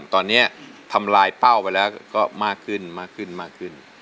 ตอนนี้ถัมลายเป้าไปแล้วก็มากขึ้น